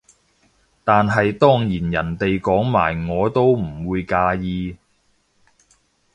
但係當然人哋講埋我都唔會介意